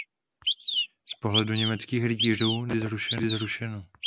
Z pohledu německých rytířů nebylo nikdy zrušeno.